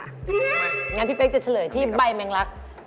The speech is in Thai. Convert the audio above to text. อย่างนั้นพี่เป๊กจะเฉลยที่ใบแมงลักครับ